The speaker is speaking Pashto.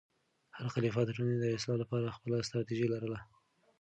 هر خلیفه د ټولنې د اصلاح لپاره خپله ستراتیژي لرله.